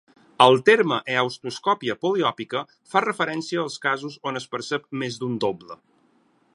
El terme heautoscòpia poliòpica fa referència als casos on es percep més d'un doble.